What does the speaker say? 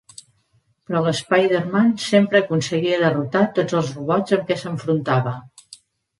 Però l'Spiderman sempre aconseguia derrotar tots els robots amb què s'enfrontava.